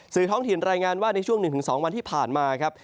ท้องถิ่นรายงานว่าในช่วง๑๒วันที่ผ่านมาครับ